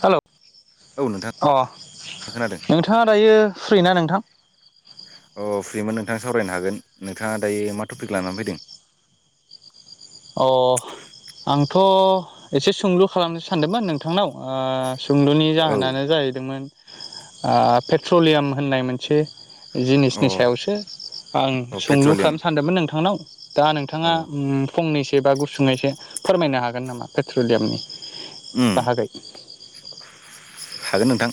Hello औ नोंथां अ खोनादों नोंथाङा दायो फ्रि ना नोंथां? अ फ्रिमोन नोंथां सावरायनो हागोन नोंथाङा दायो मा टपिक लानानै फैदों। अ आंथ' एसे सोंलु खालामनो सानदोंमोन नोंथांनाव ओ सुंद'नि औ जाहोनानो जाहैदोंमोन पेट्रलियाम होननाय मोनसे अ जिनिसनि सायावसो आं अ सोंलु पेट्रलियाम खानो सानदोंमोन नोंथांनाव। दा औ नोंथाङा उम फंनैसो बा गुसुङैसो फोरमायनो हागोन नामा पेट्रलियामनि? उम बाहागै। हागोन नोंथां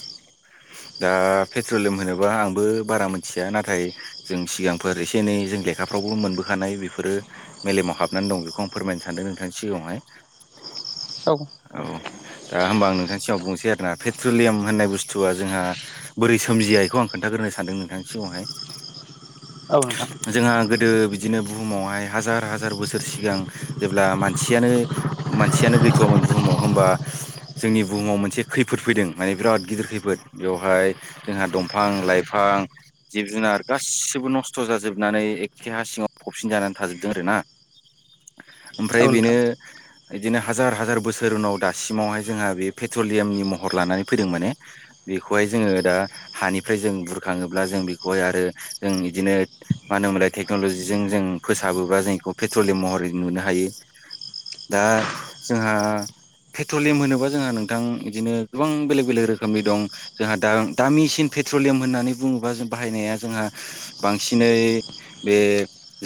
दा पेट्रलियम होनोबा आंबो बारा मिथिया नाथाय जों सिगांफोर एनै जों लेखाफ्रावबो मोनबोखानाय बेफोरो। मेलेमाव हाबनानै दं बेखौ आं फोरमायनो सानदों नोंथांनि सिगाङावहाय। औ। औ दा होमबा आं नोंथांनि सिगाव बुंनोसै आरोना पेट्रलियाम होननाय बुस्थुआ जोंहा बोरै सोमजिया इखौ आं खोन्थाग्रोनो सानदों नोंथांनि सिगाङावहाय। औ नोंथां जोंहा गोदो बि दिनो बुहुमावहाय हाजार-हाजार बोसोर सिगां जेब्ला मानसियानो मानसियानो गै थ'आमोन बुहुमाव होमबा जोंनि बुहुमाव मोनसे खैफोद फैदों माने बिराद गिदिर खैफोद बेवहाय जोंहा दंफां लाइफां जिब जुनार गासिबो नस्थ' जाजोबनानै एखे हा सिङाव फबसिन जानानै थाजोबदों आरो ना। [inaudible] ओमफ्राय बेनो बिदिनो हा जार हाजार बोसोर उनाव दासिमावहाय जोंहा बे पेट्रलियामनि महर लानानै फैदों माने बेखौहाय जोङो दा हानिफ्राय जों बुरखाङोब्ला जों बेखौहाय आरो जों इदिनो मानो होनोमोनलाय टेक्न'ल'जिजों जों फोसाबोब्ला जों पेट्रलियम महरै नुनो हायो। दा जोंहा पेट्रलियाम होनोबा जोंहा नोंथां बिदिनो गोबां बेलेग बेलेग रोखोमनि दं। जोंहा दा दामिसिन पेट्रलियाम होननानै बुङोबा जों बाहायनाया जोंहा बांसिनै बे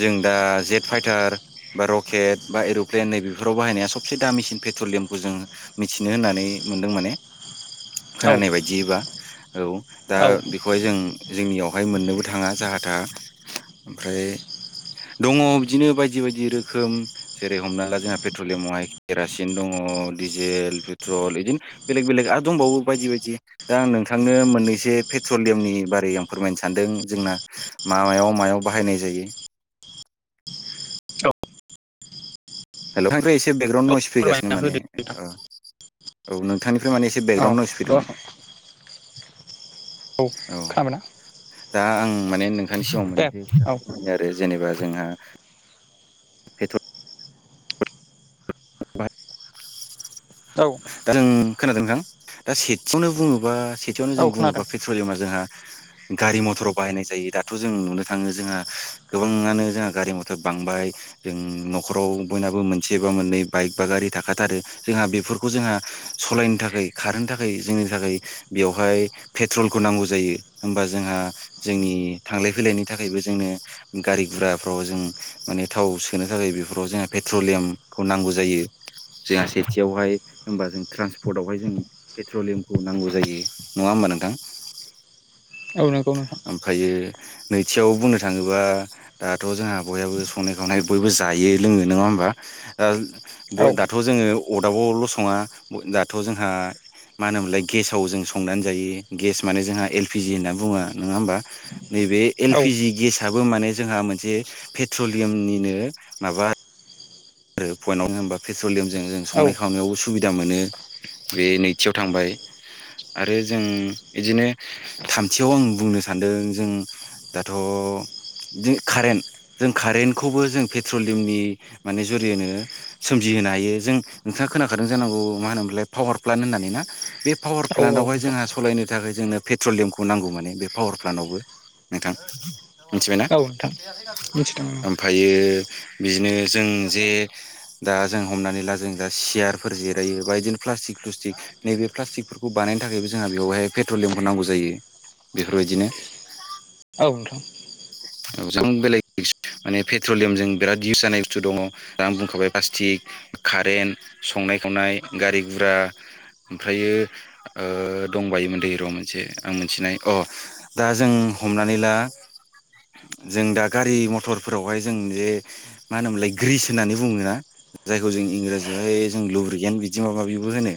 जों दा जेदफाइटार बा र'केट बा एर'प्लेन नैबेफोराव बाहायनाया स से दामिसिन पेट्रलियामखौ जोंङो मिथिनो होननानै मोन्दों माने। औ खोनानाय औ दा औ बि खौहाय जों जोंनियावहाय मोननोबो थाङा जाहा थाहा ओमफ्राय दङ बिदिनो बायदि बायदि रोखोम जेरै हमना ला जोंहा पेट्रलियामावहाय केरासिन दङ डिजेल पेट्रल बिदिनो बेलेग बेलेग आरो दंबावो बायदि बायदि दा आं नोंथांनो मोननैसो पेट्रलियामनि बारै आं फोरमायनो सानदों जोंना मा मायाव मायाव बाहायनाय जायो। औ [unintelligible] एसे बेकग्राउन्ड औ नयस फैगासिनो फोरमायना माने होदो नोंथां ओ। औ नोंथांनिफ्राय माने एसे औ बेकग्राउन्ड नउस फैदोंमोन। औ दा आं माने नोंथांनि सिगाङाव दे औ मोन आरो जेनेबा जोंहा पेट्रल औ दा जों खोनादों नोथां दा सेथियावनो बुङोबा सेथियावनो औ जों खोनादों बुङोबा पेट्रलियामा जोंहा गारि मथराव बाहायनाय जायो दाथ' जों नुनो थाङो जोंहा गोबाङानो जोंहा गारि मथर बांबाय। जों न'खराव बयनाबो मोनसे बा मोननै बाइक बा गारि थाखाथारो जोंहा बेफोर खौ जोंहा सालायनो थाखाय खारनो थाखाय जोंनि थाखाय बेवहाय फेथ्रलखौ नांगौ जायो होमबा जोंहा जोंनि थांलाय फैलायनि थाखायबो जोंनो गारि गुराफ्राव जों माने थाव सोनो थाखाय बेफोराव जोंहा पेट्रलियामखौ नांगौ जायो। जोंहा सेथि आवहाय होमबा जों ट्रान्सपर्टआवहाय जों पेट्रलियामखौ नांगौ जायो नङा होमबा नोंथां? औ नंगौ नोंथां। फायो नैथियाव बुंनो थाङोबा दाथ' जोंहा बयहाबो संनाय खावनाय बयबो जायो लोङो नङा होमबा ओ ब औ दाथ' जोंङो अदाबावल सङा दाथ' जोंहा मा होनोमोनलाय गेसाव जों संनानै जायो गेस माने जोंहा एल पि जि होननानै बुङो नङा होमबा? नैबे एल औ पि जि गेसआबो माने जोंहा मोनसे पेट्रलियामनिनो माबा आरो पइेन्टआव होमबा पेट्रलियामजों जों औ संनाय खावनायावबो सुबिदा मोनो। बे नैथियाव थांबाय। आरो जों इदिनो थामथियाव आं बुंनो सानदों जों दाथ' कारेन्ट जों कारेन्टखौबो जों पेट्रलियामनि माने जुरियैनो सोमजिहोनो हायो जों नोंथाङा खोनाखादों जानांगौ मा होनोमोनलाय पावार प्लान होननानै ना बे पावार औ प्लान्टआवहाय नोंथां जोंहा सलायनो थाखाय जोंनो पेट्रलियामखौ नांगौ माने बे पावार प्लान्टआवबो नोंथां मिथिबायना? औ नोंथां मिथिदों आमफायो बिदिनो जों जे दा जों हमनानै ला जों दा सियारफोर जिरायो बा बिदिनो प्लास्टिक थुस्टिक नैबे प्लास्टिकफोरखौ बानायनो थाखायबो जोंहा बेवहाय पेट्रलियामखौ नांगौ जायो बेफोरबादिनो। औ नोंथां जों बेलेग माने पेट्रलियामजों बेरात इउस जानाय बुस्थु दङ। आं बुंखाबाय प्लास्टिक कारेन्ट संनाय खावनाय गारि गुरा। ओमफ्रायो ओ दंबायोमोनदै र' मोनसे आं मिथिनाय अ दा जों हमनानै ला जों दा गारि मथरफोरावहाय जों जे मा होनोमोनलाय ग्रिस होननानै बुङोना जायखौ जों इंराजियावहाय जों लुबुरगियान बिदि माबा माबिबो होनो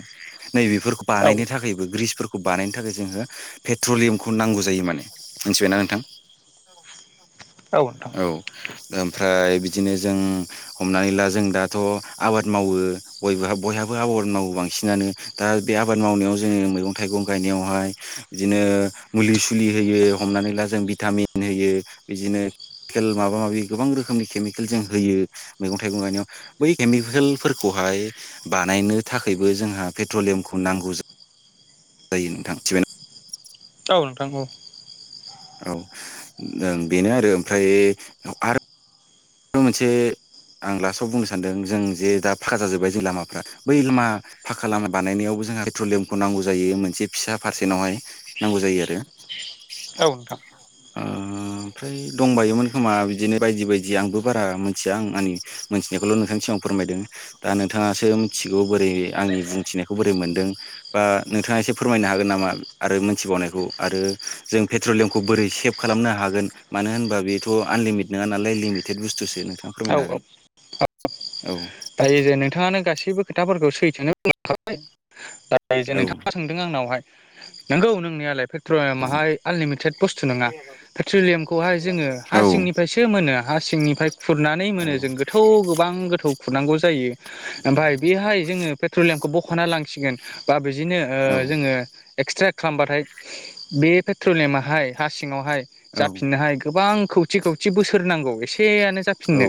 नैबेफोरखौ औ बानायनो थाखायबो ग्रिसफोर खौ बानायनो थाखाय जोङो पेट्रलियामखौ नांगौ जायो माने मिथिबायना नोंथां? नोंथां औ ओमफ्राय बिदिनो जों हमनानै ला जों दाथ' आबाद मावो बयबो बयहाबो आबाद मावो बांसिनानो। दा बे आबाद मावनायाव जोङो मैगं थाइगं गायनायावहाय बिदिनो मुलि सुलि होयो हमनानै ला जों भिटामिन होयो बिदिनो केल माबा माबि गोबां रोखोमनि केमिकेल जों होयो मैगं थाइगं गायनायाव बै केमिकेलफोरखौहाय बानायनो थाखायबो जोंहा पेट्रलियामखौ नांगौ जायो नोंथां मिथिबायना। औ नोंथां औ। औ ओं बेनो आरो ओमफ्राय आर मोनसे आं लास्टआव बुंनो सानदों जों जे दा फाखा जाजोबबाय जे लामाफ्रा बै लामा फाखा लामा बानायनायावबो जोंहा पेट्रलियामखौ नांगौ जायो मोनसे फिसा पारसेन्टावहाय नांगौ जायो आरो। [unintelligible] ओ [unintelligible] ओमफ्राय दंबायोमोन खोमा बिदिनो बायदि बायदि आंबो बारा मिथिया आं आंनि मोनथिनायखौल नोंथांनि सिगाङाव फोरमायदों दा नोंथाङासो मिथिसिगौ बोरै आंनि बुंथिनायखौ बोरै मोनदों? बा नोंथाङा एसे फोरमायनो हागोन नामा आरो मोनथिबावनायखौ आरो जों पेट्रलियामखौ बोरै सेभ खालामनो हागोन मानो होनबा बेथ आनलिमिट नङा नालाय लिमिटेद बुस्थुसो नोंथाङा औ फोरमायनो औ हागोन औ दायो जे नोंथाङानो गासैबो खोथाफोरखौ सैथोनो बुंलांखाबाय दा जे औ नोंथाङा सोंदों आंनावहाय नंगौ नोंनियालाय पेट्रलियामाहाय आनलिमिटेड बुस्थु नङा पेट्रलियामखौहाय जोङो औ हा सिंनिफ्रायसो मोनो हा सिंनिफ्राय खुरनानै औ मोनो जों गो थौ गोबां गोथौ खुरनांगौ जायो ओमफ्राय बेहाय जोङो पेट्रलियामखौ बखना लांसिगोन। बा बिदिनो ओ जोङो एक्सट्रा खालामबाथाय बे पेट्रलियामाहाय हा सिङावहाय जाफिननोहाय गोबां खौथि खौथि बोसोर नांगौ एसेयानो औ जाफिननो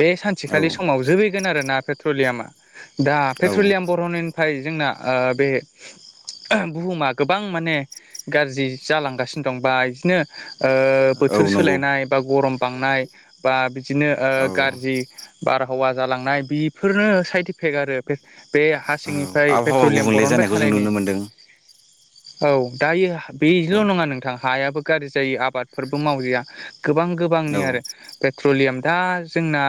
बे औ सानसेखालि समाव जोबहैगोन आरोना पेट्रलियाम दा औ पेट्रलियाम बरनायनिफ्राय जोंना ओ बे बुहुमा गोबां माने गाज्रि जालांगासिनो दं बा इदिनो ओ औ बोथोर नंगौ सोलायनाय बा गरम बांनाय बा बिदिनो ओ औ गाज्रि बारहावा जालांनाय बेफोरनो साइट एफेक्ट आरो बे हा सिंनिफ्राय आबहावा पेट्रलियाम गुबुंले बरनबाय जानायखौ जों थानायनि नुनो मोनदों औ दायो बेल औ नङा नोंथां हायाबो गाज्रि जायो आबादफोरबो मावयैया गोबां गोबांनि औ आरो। पेट्रलियाम दा जोंना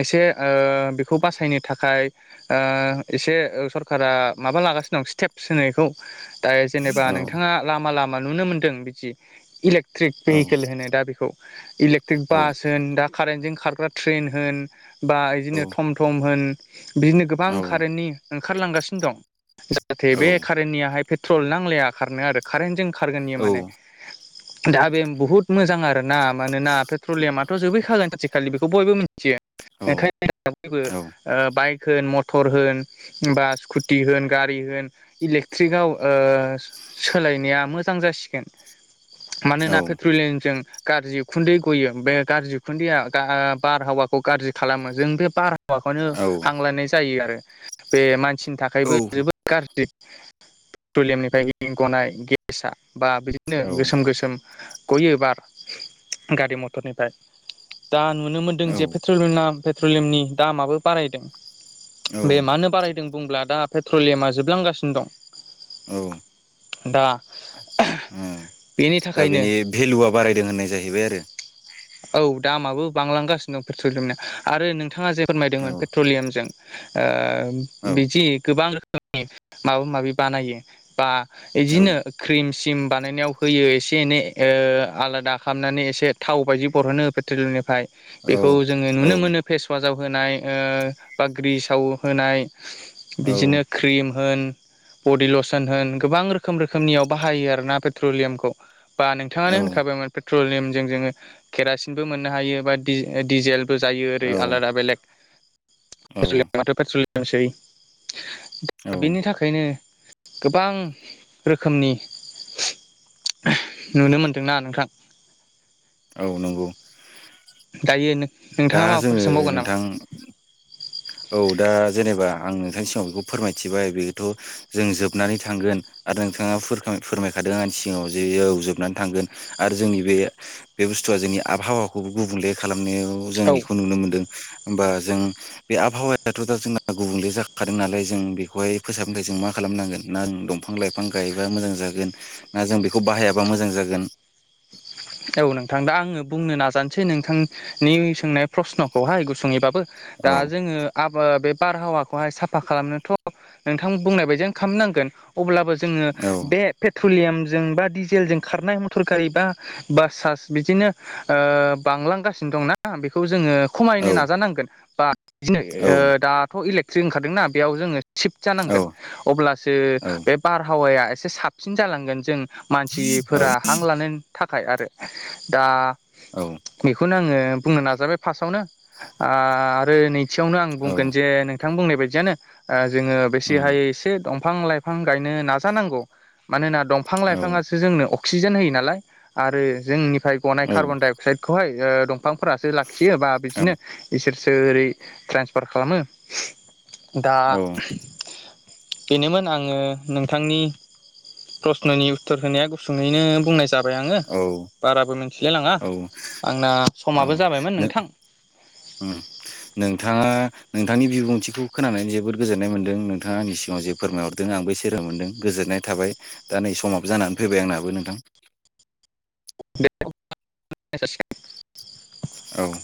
एसे ओ बेखौ बासायनो थाखाय ओ एसे सरकारा माबा लागासिनो दं स्टेप्स होनो एखौ दा जेनेबा औ नोंथाङा लामा लामा नुनो मोन्दों बिदि इलेक्ट्रिक औ भेहिकेल होनो दा बेखौ इलेक्ट्रिक औ बास होन दा कारेन्टजों खारग्रा ट्रेन होन बा औ बिदिनो थम थम होन बिदिनो गोबां औ कारेन्टनि ओंखारलांगासिनो दं जाहाथे औ बे कारेन्टनियाहाय पेट्रल नांलाया खारनो आरो कारेन्टजों खारगोन इयो माने। दा बे बहुत। मोजां आरोना मानोना पेट्रलियामाथ' जोबैखागोन आथिखालि बेखौ बयबो मिथियो। ओंखायनो [unintelligible] ओ बाइक। होन मथर होन बा स्कुटि होन गारि होन इलेकट्रिकआव। ओ सोलायनाया मोजां जासिगोन। मानोना पेट्रलियामजों गाज्रि उखुन्दै गयो बे गाज्रि खुन्दैया गा बारहावाखौ गाज्रि खालामो जों बे बार हावाखौनो हां लायनाय जायो आरो बे मानसिनि थाखायबो जोबोद गाज्रि पेट्रलियामनिफ्राय गनाय गेस आ बा बिदिनो गोसोम गोसोम गयो बार गारि मथरनिफ्राय दा नुनो मोनदों जे पेट्रलिना पेट्रलियमनि दामाबो बारायदों बे औ औ मानो बाराय दों बुंब्ला दा पेट्रलियामा जोबलांगासिनो दं। औ दा उम बेनि दा थाखायनो बेनि भेलुआ बारायदों होननाय जाहैबाय आरो। औ दामाबो बांलांगासिनो दं पेट्रलियामनिया आरो नोंथाङा जे फोरमायदोंमोन आरो पेत ट्रलियामजों ओ औ बिदि गोबां रो खोमनि माबा माबि बानायो बा औ इदिनो क्रिम सिम बानायनायाव होयो एसे एनै ओ आलादा खालामनानै एसे थाव बायदि बरनो पेट्रलियामनिफ्राय औ बेखौ जोङो औ नुनो मोनो फेसवासाव होनाय बा ग्रिसाव होनाय औ बिदिनो क्रिम होन बडि लसन होन गोबां रोखोम रोखोमनियाव बाहायो आरोना पेट्रलियामखौ। बा नोंथाङानो होनखाबायमोन पेट्रलियामजों जोङो केरासिनबो मोननो हायो बा डि-डिजेल बो जायो ओरै औ आलादा बेलेग पेट्रलियामाथ' पेट्रलियामसै। औ दा बेनि थाखायनो गोबां रोखोमनि नुनो मोनदोंना नोंथां। औ नंगौ। दायो नों दा नोंथाङा माबाफोर जोङो सोंबावगोन नामा? नोंथां औ दा जेनेबा आं नोंथांनि सिगाङाव बेखौ फोरमायथिबाय बेथ' जों जोबनानै थांगोन आरो नोंथाङा फुरखां फोरमायखादों आंनि सिगाव जे औ जोबनानै थांगोन। आरो जोंनि बे बे बुस्थुआ जोंनि आबहावाखौबो गुबुंले खालामनायाव जों औ एखौ नुनो मोनदों होमबा जों बे आबहावायाथ' दा जोंना गुबुंले जाखादों नालाय जों बेखौहाय फोसाबनो थाखाय जों मा खालामनांगोन ना दंफां लाइ फां गायबा मोजां जागोन ना जों बेखौ बाहायाबा मोजां जागोन। औ नोंथां दा आङो बुंनो नाजानोसै नोंथांनि सोंनाय प्रसन'खौहाय गुसुंयैबाबो औ दा जोङो आबो बे बारहावाखौहाय साफा खालामनोथ' नोंथां बुंनाय बायदियानो खालामनांगोन अब्लाबो जोङो औ बे पेट्रलियामजों बा डिजेलजों खारनाय मटर गारि बा बासास बिदिनो ओ बांलांगासिनो दंना बेखौ जोङो खमायनो औ नाजानांगोन बा बिदिनो औ ओ दाथ' इलेक्ट्रिक ओंखारदोंना बेयाव जोङो सिफ्ट औ जानांगोन अब्लासो औ बे बारहावाया एसे साबसिन जालांगोन जों औ मानसिफोरा हां लानायनि थाखाय आरो दा औ। बेखौनो आङो बुंनो नाजाबाय फार्स्टआवनो आरो नैथियावनो आं बुंगोन औ जे नों थां बुंनाय बायदियानो जोङो बेसे हायो एसे दंफां लाइ फां गायनो नाजानांगौ मानोना दंफां औ लाइफाङासो जोंनो अक्सिजेन होयो नालाय। आरो जोंनिफ्राय गनाय कार्बन औ डाइ अक्साइदखौहाय ओ दं फांफोरासो लाखियो बा औ बिदिनो इसोरसो ओरै ट्रेन्सफार खालामो। दा औ बेनोमोन आङो नोंथांनि ‌ प्रस्न'नि उत्तर होनाया गुसुङैनो बुंनाय जाबाय आङो। औ। बाराबो मिथिलाय लाङा औ आंना औ समाबो जाबायमोन नों नोंथां उम। नोंथाङा नोंथांनि बिबुंथिखौ खोनानानै जोबोद गोजोननाय मोन्दों नोंथाङा आंनि सिगाङाव जेब फोरमायहरदों आंबो सेरा मोनदों गोजोननाय थाबाय दा नै समाबो जानानै फैबाय आंनाबो नोंथां। [unintelligible] औ